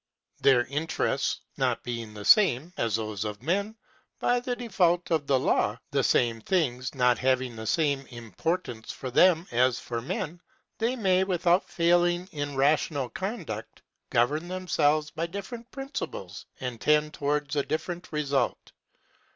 Their interests not being the same (as those of men) by the fault of the law, the same things not having the same importance for them as for men, they may, without failing in rational conduct, govern themselves by different principles, and tend towards a different result.